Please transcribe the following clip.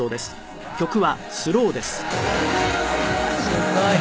すごい。